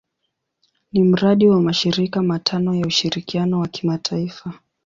Ni mradi wa mashirika matano ya ushirikiano wa kimataifa.